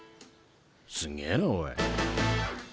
すげえなおい。